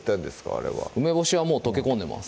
あれは梅干しはもう溶け込んでます